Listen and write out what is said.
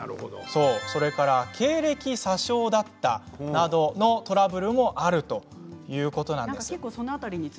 それから経歴詐称だったなどのトラブルもあるということなんです。